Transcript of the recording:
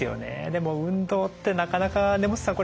でも運動ってなかなか根本さん